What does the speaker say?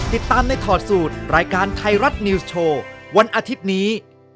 ติดตามในถอดสูตรรายการไทยรัฐนิวส์โชว์วันอาทิตย์นี้